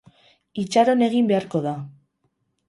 Itxaron egin beharko da.